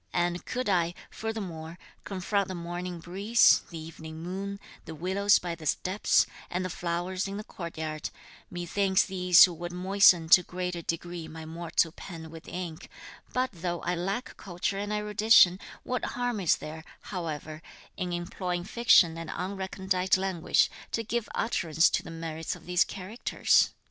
And could I, furthermore, confront the morning breeze, the evening moon, the willows by the steps and the flowers in the courtyard, methinks these would moisten to a greater degree my mortal pen with ink; but though I lack culture and erudition, what harm is there, however, in employing fiction and unrecondite language to give utterance to the merits of these characters?